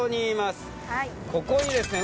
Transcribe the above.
ここにですね